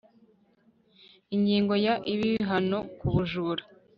Ingingo ya Ibihano ku bujura